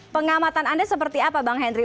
pengamatan anda seperti apa bang henry